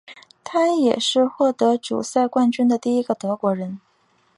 他也是获得主赛冠军的第一个德国人。